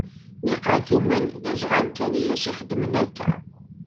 Niqal tumen d azɣal kan i as-ixedmen akken.